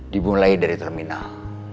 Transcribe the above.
dimulai dari terminal